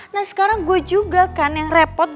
nah sekarang gue juga kan yang repot